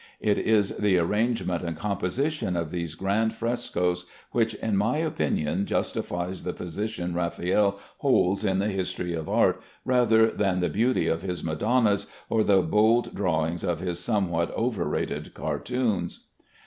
It is the arrangement and composition of these grand frescoes which in my opinion justifies the position Raffaelle holds in the history of art, rather than the beauty of his Madonnas or the bold drawing of his somewhat over rated cartoons.